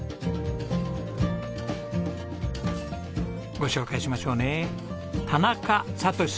ご紹介しましょうね。